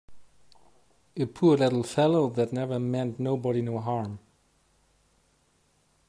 A poor little fellow that never meant nobody no harm!